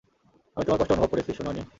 আমি তোমার কষ্ট অনুভব করেছি, সুনয়নী।